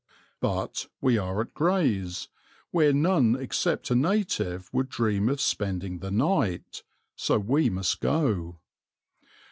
But we are at Grays, where none except a native would dream of spending the night, so we must go.